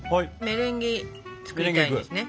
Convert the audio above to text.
メレンゲ作りたいですね。